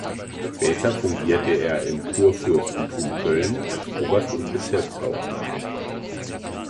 Später fungierte er im Kurfürstentum Köln als Oberst und Bezirkshauptmann.